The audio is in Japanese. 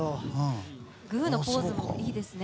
並木：グーのポーズもいいですね。